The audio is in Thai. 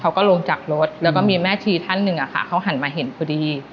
เขาก็ลงจากรถแล้วก็มีแม่ชีท่านหนึ่งอะค่ะเขาหันมาเห็นพอดี